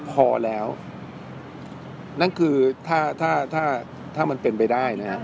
พอแล้วนั่นคือถ้าถ้าถ้ามันเป็นไปได้น่ะตั้งร้านนี้เราทราบเป็นว่ามันจะคืนทุนเมื่อไหร่